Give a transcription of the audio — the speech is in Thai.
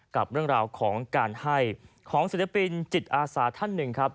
กับเรื่องราวของการให้ของศิลปินจิตอาสาท่านหนึ่งครับ